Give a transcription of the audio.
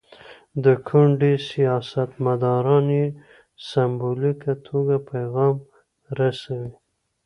د کونډې سیاستمداران یې سمبولیکه توګه پیغام رسوي.